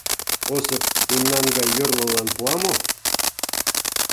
Осып мемнан гай йорлылан пуа мо?..